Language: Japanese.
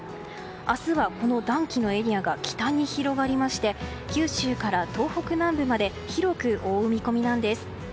明日は、この暖気のエリアが北に広がりまして九州から東北南部まで広く覆う見込みなんです。